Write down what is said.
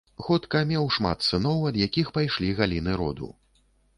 Ходка меў шмат сыноў, ад якіх пайшлі галіны роду.